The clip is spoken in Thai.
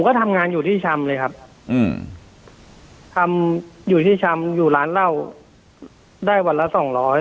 ผมก็ทำงานอยู่ที่ชำเลยครับอยู่ที่ชำอยู่ร้านเหล้าได้วันละ๒๐๐๒๐๐บาท